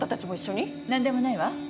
何でもないわ。